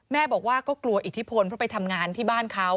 แม่บอกว่าก็กลัวอิทธิพลเพราะไปทำงานที่บ้านเขา